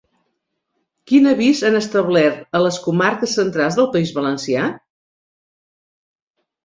Quin avís han establert a les comarques centrals del País Valencià?